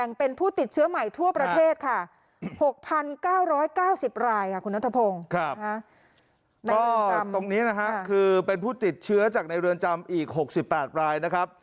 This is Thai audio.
ก็ตรงนี้เป็นผู้ติดเชื้อจากในเรือนจำอีก๖๘ราย